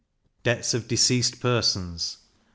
Debts of deceased Persons.